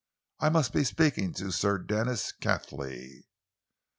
"I must be speaking to Sir Denis Cathley?"